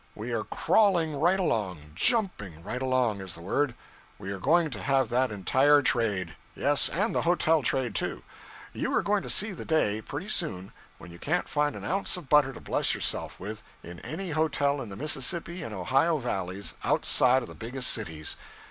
We are crawling right along _jumping _right along is the word. We are going to have that entire trade. Yes, and the hotel trade, too. You are going to see the day, pretty soon, when you can't find an ounce of butter to bless yourself with, in any hotel in the Mississippi and Ohio Valleys, outside of the biggest cities.